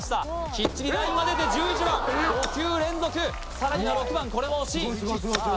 きっちりラインが出て１１番さらには６番これも惜しいさあ